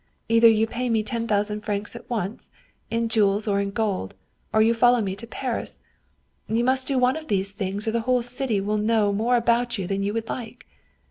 Either you pay me ten thousand francs at once, in jewels or in gold, or you follow me to Paris. You must do one of these things, or the whole city will know more about you than you would like.'